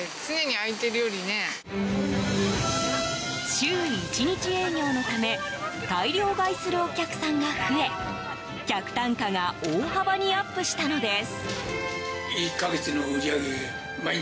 週１日営業のため大量買いするお客さんが増え客単価が大幅にアップしたのです。